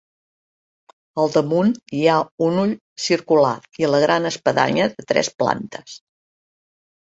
Al damunt hi ha un ull circular i la gran espadanya de tres plantes.